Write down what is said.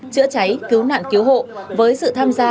chữa cháy cứu nạn cứu hộ với sự tham gia